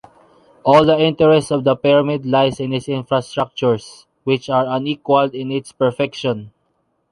All the interest of the pyramid lies in its infrastructures, which are unequalled in its perfection.